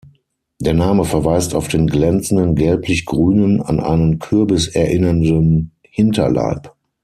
Der Name verweist auf den glänzenden, gelblich-grünen, an einen Kürbis erinnernden Hinterleib.